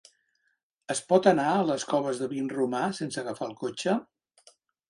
Es pot anar a les Coves de Vinromà sense agafar el cotxe?